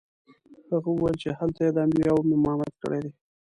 هغه وویل چې هلته یې د انبیاوو امامت کړی دی.